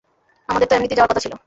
আমাদের তো এমনিতেই যাওয়ার কথা ছিল!